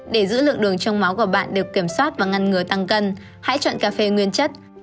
để giữ lượng đường trong máu của bạn được kiểm soát và ngăn ngừa tăng cân hãy chọn cà phê nguyên chất